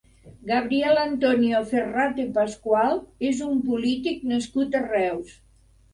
Gabriel Antonio Ferrate Pascual és un polític nascut a Reus.